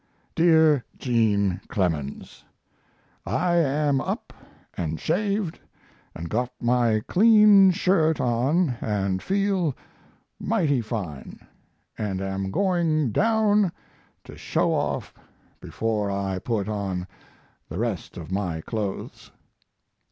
DEAR JEAN CLEMENS, I am up & shaved & got my clean shirt on & feel mighty fine, & am going down to show off before I put on the rest of my clothes.